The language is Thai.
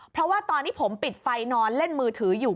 เพราะว่าตอนที่ผมปิดไฟนอนเล่นมือถืออยู่